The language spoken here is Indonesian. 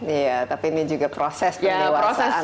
iya tapi ini juga proses pengawasan